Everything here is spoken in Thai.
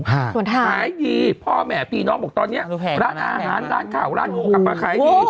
ส่วนทางขายดีพ่อแม่พี่น้องบอกตอนเนี้ยร้านอาหารร้านข้าวร้านหมูกลับมาขายดี